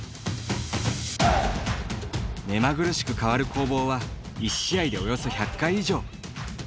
目まぐるしく変わる攻防は１試合で、およそ１００回以上。